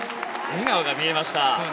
笑顔が見えました。